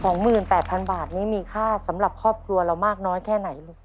หมื่นแปดพันบาทนี้มีค่าสำหรับครอบครัวเรามากน้อยแค่ไหนลูก